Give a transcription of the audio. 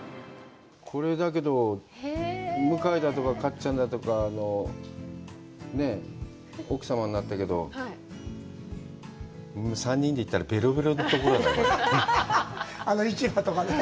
これ、だけど、向井だとか、かっちゃんだとか、奥様になったけど、３人で行ったらベロベロだね。